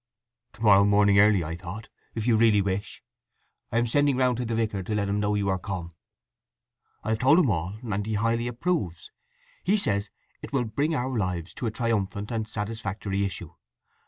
"To morrow morning, early, I thought—if you really wish. I am sending round to the vicar to let him know you are come. I have told him all, and he highly approves—he says it will bring our lives to a triumphant and satisfactory issue.